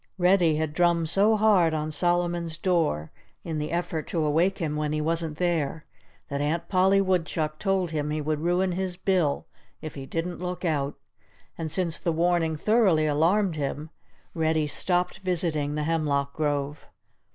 Reddy had drummed so hard on Solomon's door, in the effort to awake him when he wasn't there, that Aunt Polly Woodchuck told him he would ruin his bill, if he didn't look out. And since the warning thoroughly alarmed him, Reddy stopped visiting the hemlock grove.